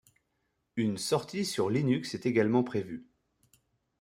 Une sortie sur Linux est également prévue.